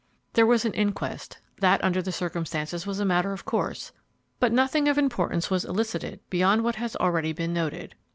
There was an inquest. That, under the circumstances, was a matter of course, but nothing of importance was elicited beyond what has already been noted.